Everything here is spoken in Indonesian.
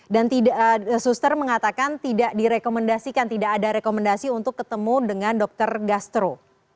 dan suster mengatakan tidak direkomendasikan tidak ada rekomendasi untuk ketemu dengan dokter gastro